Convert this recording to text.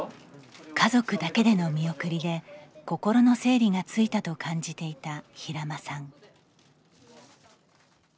家族だけでの見送りで心の整理がついたと感じていた平間さん。